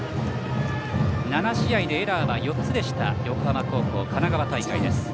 ７試合でエラーは４つでした横浜高校、神奈川大会です。